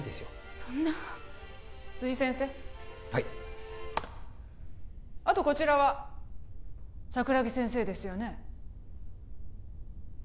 そんな辻先生はいあとこちらは桜木先生ですよね？